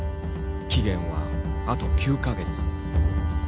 期限はあと９か月。